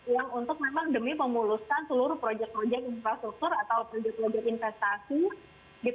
yang untuk memang demi memuluskan seluruh proyek proyek infrastruktur atau proyek proyek investasi